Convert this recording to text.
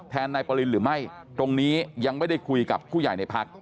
นายปรินหรือไม่ตรงนี้ยังไม่ได้คุยกับผู้ใหญ่ในพัก